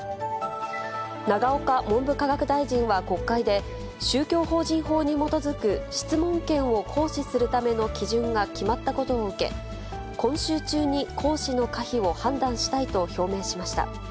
永岡文部科学大臣は国会で、宗教法人法に基づく質問権を行使するための基準が決まったことを受け、今週中に行使の可否を判断したいと表明しました。